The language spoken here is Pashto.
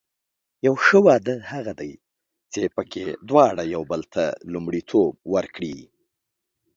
یو ښه واده هغه دی چې پکې دواړه یو بل ته لومړیتوب ورکړي.